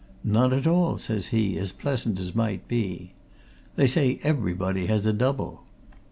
'None at all!' says he, as pleasant as might be. 'They say everybody has a double.'